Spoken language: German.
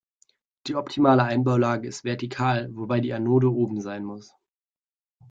Die optimale Einbaulage ist vertikal, wobei die Anode oben sein muss.